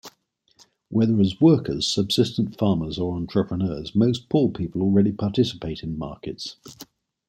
Whether as workers, subsistence farmers or entrepreneurs, most poor people already participate in markets.